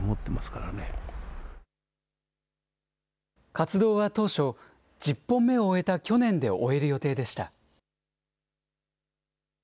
活動は当初、１０本目を植えた去年で終える予定でした。